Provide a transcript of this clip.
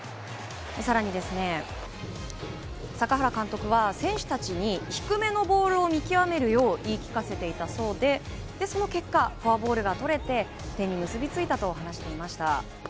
さらに、坂原監督は、選手たちに低めのボールを見きわめるよう言い聞かせていたようで、その結果、フォアボールが取れて、点に結びついたと話していました。